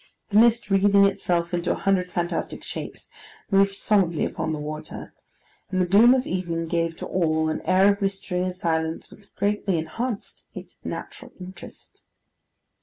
The mist, wreathing itself into a hundred fantastic shapes, moved solemnly upon the water; and the gloom of evening gave to all an air of mystery and silence which greatly enhanced its natural interest.